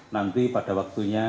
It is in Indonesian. nanti pada waktunya